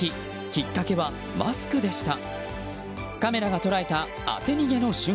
きっかけはマスクでした。